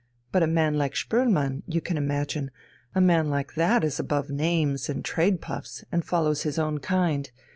But a man like Spoelmann, you can imagine, a man like that is above names and trade puffs, and follows his own kind.